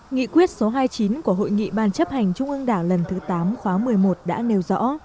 nghị quyết số hai mươi chín của hội nghị ban chấp hành trung ương đảng lần thứ tám khóa một mươi một đã nêu rõ